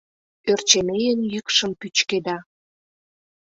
Ӧрчемейын йӱкшым пӱчкеда.